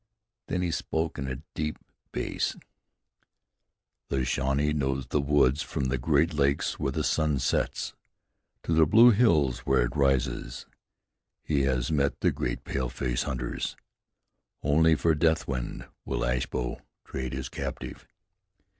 Then he spoke in his deep bass: "The Shawnee knows the woods from the Great Lakes where the sun sets, to the Blue Hills where it rises. He has met the great paleface hunters. Only for Deathwind will Ashbow trade his captive."